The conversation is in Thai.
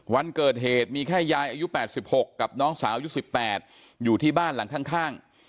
วันเกิดเหตุมีแค่ยายอายุ๘๖กับน้องสาวยุค๑๘อยู่ที่บ้านหลังข้าง